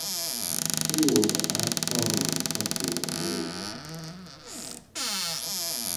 Ő volt a párt parlamenti frakcióvezetője is.